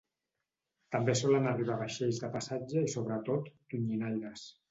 També solen arribar vaixells de passatge i sobretot tonyinaires.